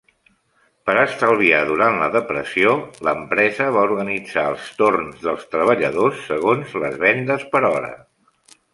Per estalviar durant la Depressió, l'empresa va organitzar els torns dels treballadors segons les vendes per hora.